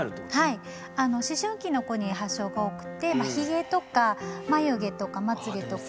はい思春期の子に発症が多くってひげとか眉毛とかまつげとか。